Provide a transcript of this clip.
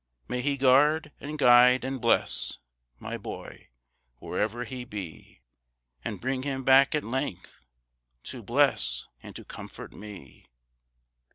May He guard, and guide, and bless My boy, wherever he be, And bring him back at length To bless and to comfort me.